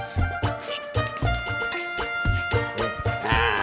tidak ada yang percaya kita lihat aja